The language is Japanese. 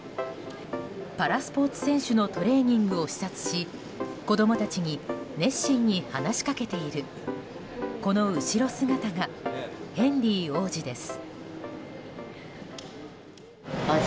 パラスポーツ選手のトレーニングを視察し子供たちに熱心に話しかけているこの後ろ姿がヘンリー王子です。